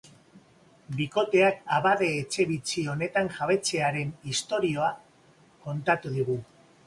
Bikoteak abade etxe bitxi honen jabetzaren istorioa kontatu digu.